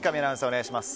お願いします。